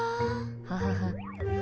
ハハハ。